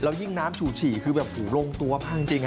แล้วยิ่งน้ำฉูฉี่คือแบบถูกลงตัวมากจริง